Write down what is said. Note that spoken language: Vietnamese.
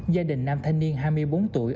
gia đình nam thanh niên hai mươi bốn tuổi